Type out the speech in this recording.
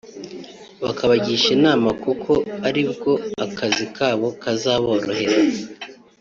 bakabagisha inama kuko ari bwo akazi kabo kazaborohera